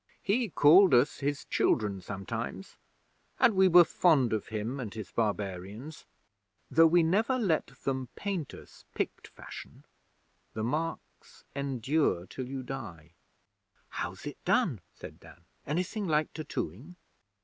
He called us his children sometimes, and we were fond of him and his barbarians, though we never let them paint us Pict fashion. The marks endure till you die.' 'How's it done?' said Dan. 'Anything like tattooing?'